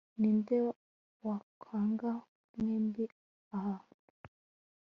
ninde wakwanga mwembi ahantu